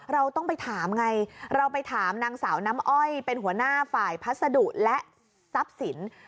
เราต้องไปถามไงเราไปถามนางสาวน้ำอ้อยเป็นหัวหน้าฝ่ายพัสดุและทรัพย์สิน